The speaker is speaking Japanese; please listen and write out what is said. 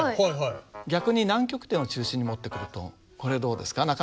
逆に南極点を中心に持ってくるとこれはどうですか？